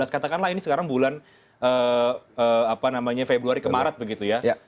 katakanlah ini sekarang bulan februari ke maret begitu ya